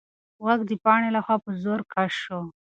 غوږ د پاڼې لخوا په زور کش شو.